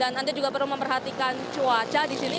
dan anda juga perlu memperhatikan cuaca di sini